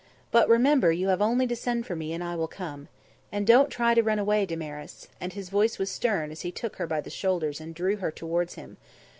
But, remember, you have only to send for me, and I will come. And don't try to run away, Damaris." And his voice was stern as he took her by the shoulders and drew her towards him.